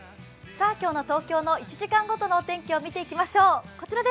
今日の東京の１時間ごとのお天気を見ていきましょう。